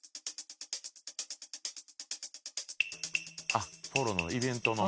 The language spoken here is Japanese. あっポロのイベントの？